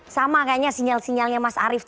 sama kayaknya sinyal sinyalnya mas arief